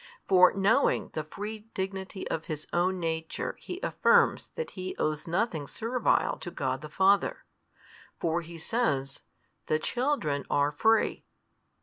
For knowing the free dignity of His Own Nature He affirms that He owes nothing servile to God the Father: for He says, The children are free.